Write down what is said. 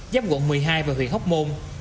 giáp quận một mươi hai và huyện hóc môn